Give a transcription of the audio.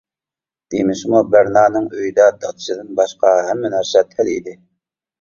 دېمىسىمۇ بەرنانىڭ ئۆيىدە دادىسىدىن باشقا ھەممە نەرسە تەل ئىدى.